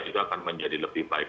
itu akan menjadi lebih baik